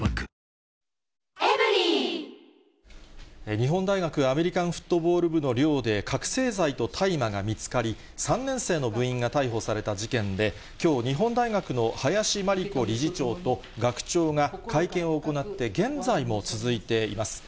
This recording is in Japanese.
日本大学アメリカンフットボール部の寮で、覚醒剤と大麻が見つかり、３年生の部員が逮捕された事件で、きょう、日本大学の林真理子理事長と、学長が会見を行って、現在も続いています。